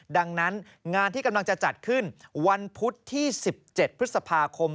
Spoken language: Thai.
ดังนั้นงานที่กำลังจะจัดขึ้นวันพุธที่๑๗พฤษภาคม